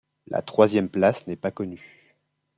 La troisième place n’est pas connue.